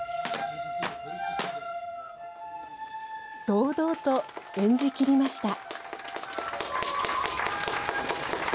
堂々と演じ切りました。